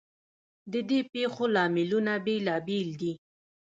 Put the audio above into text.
ددې پیښو لاملونه بیلابیل دي.